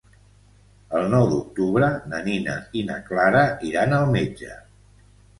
El nou d'octubre na Nina i na Clara iran al metge.